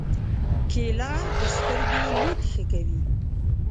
کېله د سترګو لید ښه کوي.